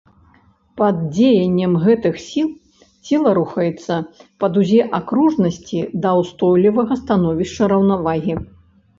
Пад дзеяннем гэтых сіл цела рухаецца па дузе акружнасці да ўстойлівага становішча раўнавагі.